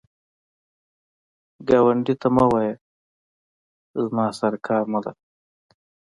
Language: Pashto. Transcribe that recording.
ګاونډي ته مه وایه “ما سره کار مه لره”